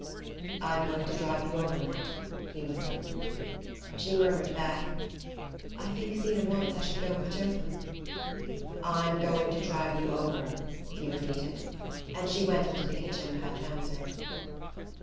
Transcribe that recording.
"I'm going to drive you over, Matt," he whispered. She murmured back: "I think Zeena wants I should go with Jotham." "I'm going to drive you over," he repeated; and she went into the kitchen without answering.